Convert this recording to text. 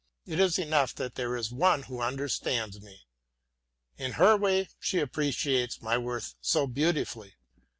It is enough that there is one who understands me. In her way she appreciates my worth so beautifully.